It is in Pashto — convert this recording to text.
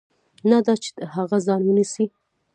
نه دا چې د هغه ځای ونیسي.